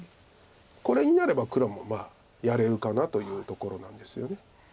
これになれば黒もやれるかなというところなんですよね。